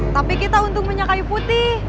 tapi kita untung minyak kayu putih